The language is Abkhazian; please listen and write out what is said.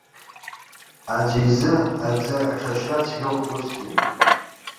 Аӡәы изы аӡы аҽаршьра цәгьоуп усгьы.